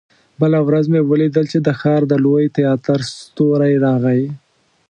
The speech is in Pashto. بله ورځ مې ولیدل چې د ښار د لوی تياتر ستورى راغی.